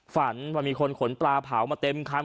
ฝันว่ามีคนขนปลาเผามาเต็มคัน